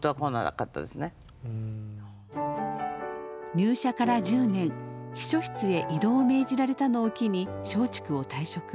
入社から１０年秘書室へ異動を命じられたのを機に松竹を退職。